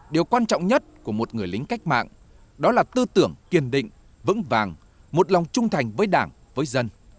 điều quan trọng nhất của một người lính cách mạng đó là tư tưởng kiên định vững vàng một lòng trung thành với đảng với dân